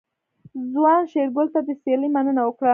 ځوان شېرګل ته د سيرلي مننه وکړه.